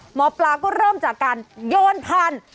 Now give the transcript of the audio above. หมอปลาก็เริ่มจากการโยนพันธุ์